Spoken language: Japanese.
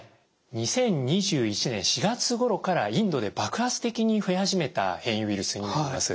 ２０２１年４月ごろからインドで爆発的に増え始めた変異ウイルスになります。